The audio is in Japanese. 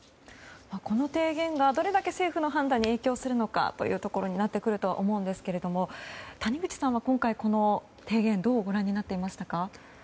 この提言がどれだけ政府の判断に影響するのかというところになってくると思いますが谷口さんは今回、この提言をどうご覧になっていますか？